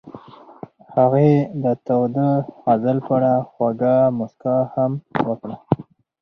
هغې د تاوده غزل په اړه خوږه موسکا هم وکړه.